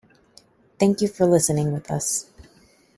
Thank you for listening with us.